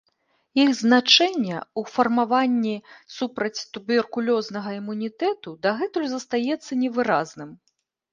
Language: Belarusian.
Іх значэнне ў фармаванні супрацьтуберкулёзнага імунітэту дагэтуль застаецца невыразным.